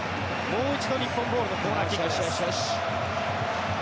もう一度、日本ボールのコーナーキックです。